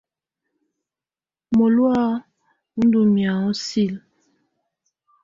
Mɔlɔ̀á wɔ ndɔ́ mɛaŋɔ silǝ.